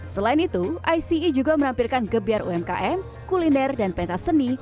selain itu ice juga menampilkan gebiar umkm kuliner dan pentas seni